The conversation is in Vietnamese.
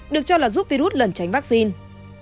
được cho là giúp virus lẩn tránh vaccine